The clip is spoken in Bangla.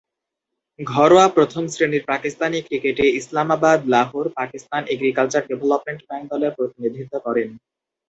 ঘরোয়া প্রথম-শ্রেণীর পাকিস্তানি ক্রিকেটে Islamabad, Lahore Pakistan agriculture development bank দলের প্রতিনিধিত্ব করেন।